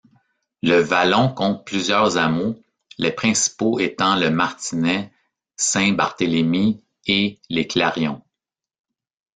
Le vallon compte plusieurs hameaux, les principaux étant Le Martinet, Saint-Barthélémy et Les Clarionds.